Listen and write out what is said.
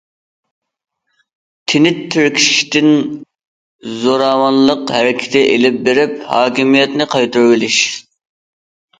تىنچ تىركىشىشتىن زوراۋانلىق ھەرىكىتى ئېلىپ بېرىپ، ھاكىمىيەتنى قايتۇرۇۋېلىش.